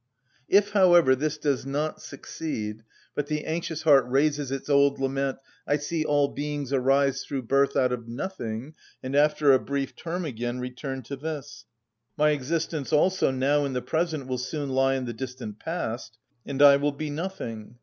If, however, this does not succeed, but the anxious heart raises its old lament, "I see all beings arise through birth out of nothing, and after a brief term again return to this; my existence also, now in the present, will soon lie in the distant past, and I will be nothing!"